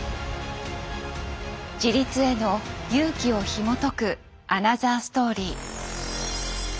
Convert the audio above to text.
自立への勇気をひもとくアナザーストーリー。